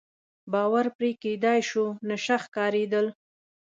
باور پرې کېدای شو، نشه ښکارېدل.